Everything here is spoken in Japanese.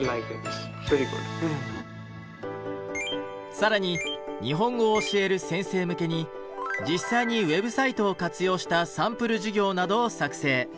更に日本語を教える先生向けに実際にウェブサイトを活用したサンプル授業などを作成。